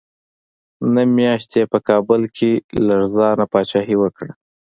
نهه میاشتې یې په کابل کې لړزانه پاچاهي وکړه.